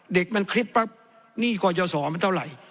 เด็กมันคลิกปั๊บนี่ก่อนจะสอนมันเท่าไหร่